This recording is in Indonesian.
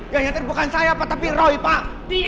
ganjar bukan saya pak tapi roy pak